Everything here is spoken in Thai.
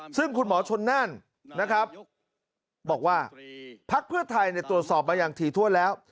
ซึ่งคุณหมอชนนั่นนะครับบอกว่าพักเพื่อไทยตรวจสอบมาอย่างถี่ถ้วนแล้ว